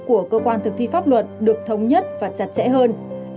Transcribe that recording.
của cơ quan thực thi pháp luật được thống nhất và chặt chẽ hơn